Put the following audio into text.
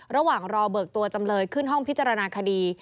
ระหว่างรอเบิกตัวจำเลยขึ้นห้องพิจารณาคดี